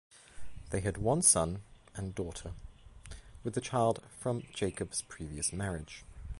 They had one son and daughter; with a child from Jacob's previous marriage.